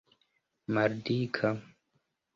maldika